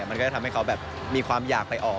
มันก็จะทำให้เขาแบบมีความอยากไปออก